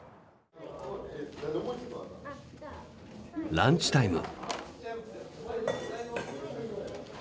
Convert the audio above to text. ランチタイム。